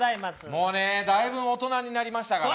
もうねだいぶ大人になりましたから。